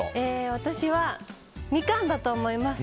私は、みかんだと思います。